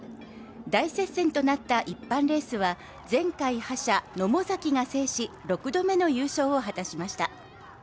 大接戦となった一般レースは、前回覇者、野母崎が制し、６度目の優勝を果たしました。